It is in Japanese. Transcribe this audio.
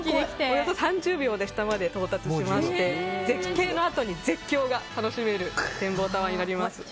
およそ３０秒で下まで到達しまして絶景のあとに絶叫が楽しめる展望タワーになります。